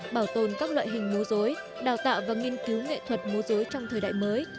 bảo tồn các loại hình múa dối đào tạo và nghiên cứu nghệ thuật mô dối trong thời đại mới